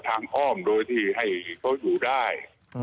อ้อมโดยที่ให้เขาอยู่ได้